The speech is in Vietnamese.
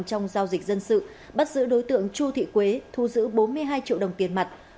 trong giao dịch dân sự bắt giữ đối tượng chu thị quế thu giữ bốn mươi hai triệu đồng tiền mặt